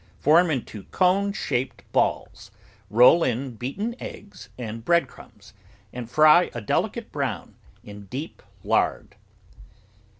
Form into cone shaped balls, roll in beaten eggs and bread crumbs, and fry a delicate brown in deep lard.